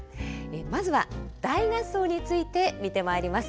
まずは大合奏について見てまいります。